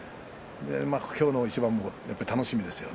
今日の一番も楽しみですよね。